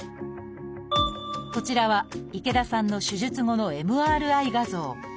こちらは池田さんの手術後のＭＲＩ画像。